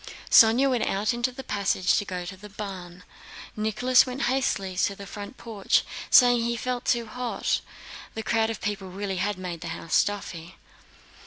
Sónya went out into the passage to go to the barn. Nicholas went hastily to the front porch, saying he felt too hot. The crowd of people really had made the house stuffy.